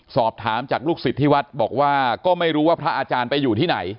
สอบถามจากลูกศิษย์ที่วัดบอกว่าก็ไม่รู้ว่าพระอาจารย์ไปอยู่ที่ไหน